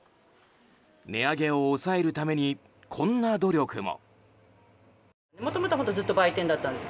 値上げを抑えるためにこんな努力も。